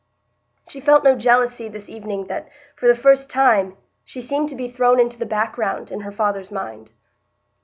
She felt no jealousy this evening that, for the first time, she seemed to be thrown into the background in her father's mind.